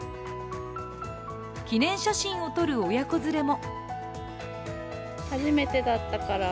記念写真を撮る親子連れも。